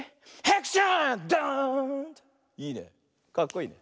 いいね。